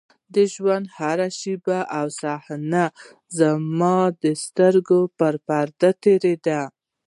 د ژونـد هـره شـيبه او صحـنه يـې زمـا د سـترګو پـر پـردو تېـرېده.